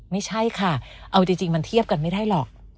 ไม่ใช่ค่ะเอาจริงมันเทียบกันไม่ได้หรอก